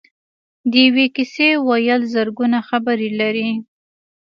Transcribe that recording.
د یوې کیسې ویل زرګونه خبرې لري.